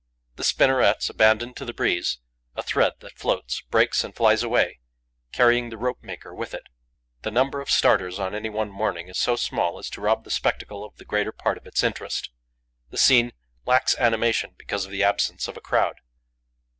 The spinnerets abandon to the breeze a thread that floats, breaks and flies away, carrying the rope maker with it. The number of starters on any one morning is so small as to rob the spectacle of the greater part of its interest. The scene lacks animation because of the absence of a crowd.